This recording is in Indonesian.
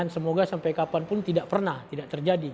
semoga sampai kapan pun tidak pernah tidak terjadi